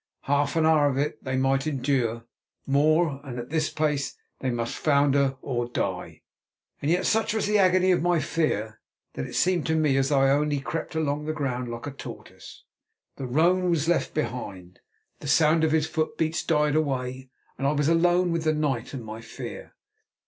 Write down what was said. Half an hour of it they might endure; more, and at this pace they must founder or die. And yet such was the agony of my fear, that it seemed to me as though I only crept along the ground like a tortoise. The roan was left behind, the sound of his foot beats died away, and I was alone with the night and my fear.